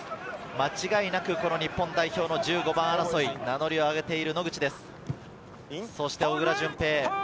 間違いなく日本代表の１５番争いに名乗りを挙げている、野口です。